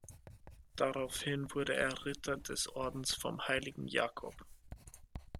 Daraufhin wurde er Ritter des Ordens vom heiligen Jakob.